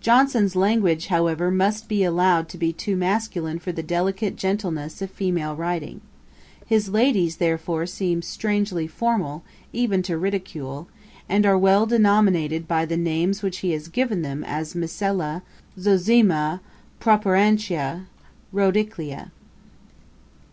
Johnson's language, however, must be allowed to be too masculine for the delicate gentleness of female writing. His ladies, therefore, seem strangely formal, even to ridicule; and are well denominated by the names which he has given them as Misella, Zozima, Properantia, Rhodoclia. [Page 224: The styles of addison and Johnson. A.